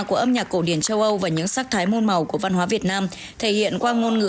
của âm nhạc cổ điển châu âu và những sắc thái môn màu của văn hóa việt nam thể hiện qua ngôn ngữ